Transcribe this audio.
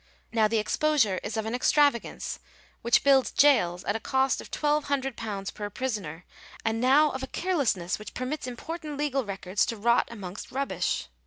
Now the exposure is of an extravagance which builds gaols at a cost of £1200 per prisoner ; and now of a carelessness which permits important legal records to rot amongst rubbish.